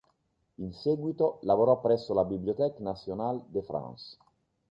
In seguito lavorò presso la Bibliothèque nationale de France.